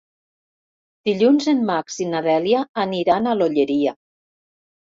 Dilluns en Max i na Dèlia aniran a l'Olleria.